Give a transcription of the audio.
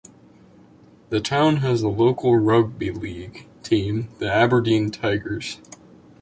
The town has a local rugby league team, the Aberdeen Tigers.